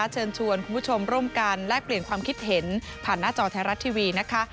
เชิญชวนคุณผู้ชมร่วมกันแลกเปลี่ยนความคิดเห็นผ่านหน้าจอไทยรัฐทีวีนะคะ